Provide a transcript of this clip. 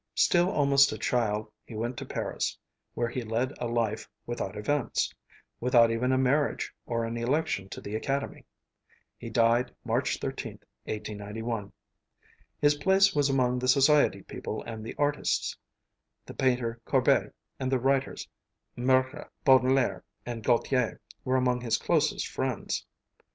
Still almost a child he went to Paris, where he led a life without events, without even a marriage or an election to the Academy; he died March 13th, 1891. His place was among the society people and the artists; the painter Courbet and the writers Mürger, Baudelaire, and Gautier were among his closest friends.